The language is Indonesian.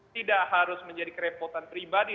tidak harus menjadi kerepotan pribadi